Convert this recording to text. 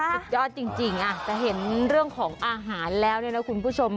สุดยอดจริงจะเห็นเรื่องของอาหารแล้วเนี่ยนะคุณผู้ชม